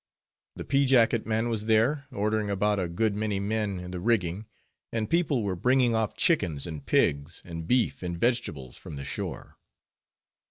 The pea jacket man was there, ordering about a good many men in the rigging, and people were bringing off chickens, and pigs, and beef, and vegetables from the shore.